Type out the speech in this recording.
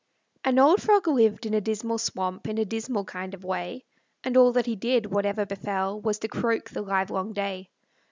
An old frog lived in a dismal swamp, In a dismal kind of way; And all that he did, whatever befell, Was to croak the livelong day.